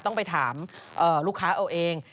ต้องไปถามลูกค้าเอาเอง